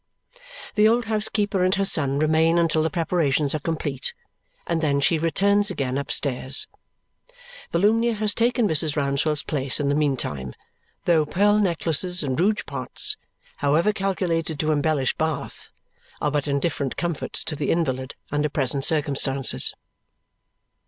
The old housekeeper and her son remain until the preparations are complete, and then she returns upstairs. Volumnia has taken Mrs. Rouncewell's place in the meantime, though pearl necklaces and rouge pots, however calculated to embellish Bath, are but indifferent comforts to the invalid under present circumstances.